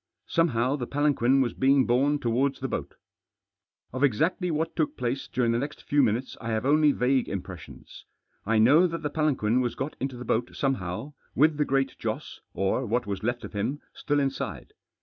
Somehow the palanquin was being borne towards the boat. Of exactly what took place during the next few minutes I have only vague impressions. I know that the palanquin was got into the boat somehow, with the Great Joss, or what was left of him, still inside.